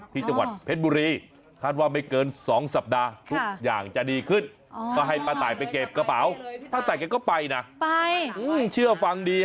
ที่จังหวัดเผ็ดบุรี